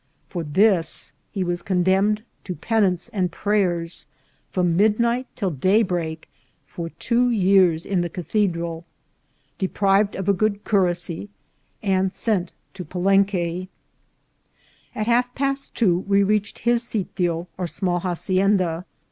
For this he was condemned to penance and prayers, from midnight till daybreak, for two years in the Cathedral, deprived of a good curacy, and sent to Palenque. At half past two we reached his sitio or small haci enda.